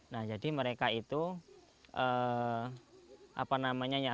nah jadi mereka itu apa namanya ya